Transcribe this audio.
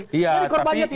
jadi korbannya tidak ada